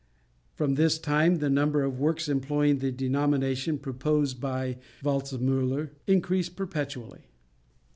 From this time the number of works employing the denomination proposed by Waldtzemuller increased perpetually.